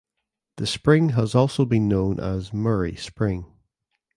The spring has also been known as Murray Spring.